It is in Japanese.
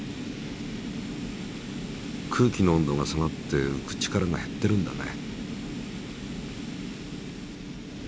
空気の温度が下がってうく力が減ってるんだね。